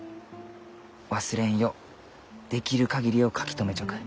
忘れんようできる限りを書き留めちょく。